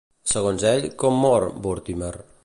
Segons ell, com mor Vortimer?